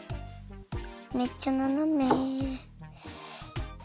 めっちゃななめ。